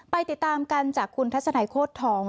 ไปติดตามกันจากคุณทัศนายโฆษธอง